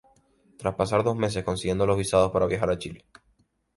Tras pasar dos meses consiguieron los visados para viajar a Chile.